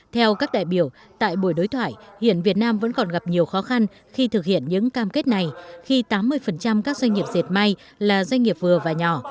theo các đại biểu tại buổi đối thoại hiện việt nam vẫn còn gặp nhiều khó khăn khi thực hiện những cam kết này khi tám mươi các doanh nghiệp dệt may là doanh nghiệp vừa và nhỏ